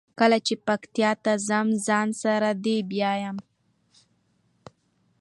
کله چې پکتیا ته ځم ځان سره دې بیایمه.